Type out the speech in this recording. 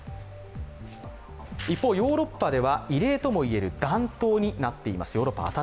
一方、ヨーロッパでは異例ともいえる暖冬になっています。